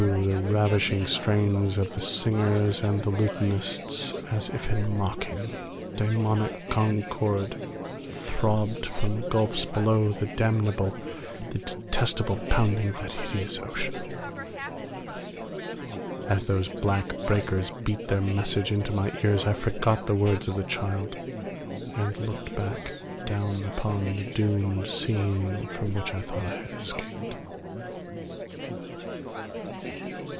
Through the ravishing strains of the singers and the lutanists, as if in mocking, daemoniac concord, throbbed from gulfs below the damnable, the detestable pounding of that hideous ocean. As those black breakers beat their message into my ears I forgot the words of the child and looked back, down upon the doomed scene from which I thought I had escaped.